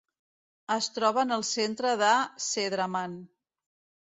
Es troba en el centre de Cedraman.